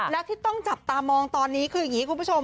แล้วที่ต้องจับตามองตอนนี้คืออย่างนี้คุณผู้ชม